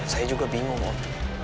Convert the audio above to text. saya juga bingung om